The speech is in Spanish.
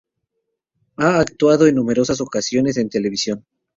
Ha actuado en numerosas ocasiones en televisión.